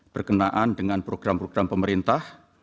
berkenaan dengan program program pemerintah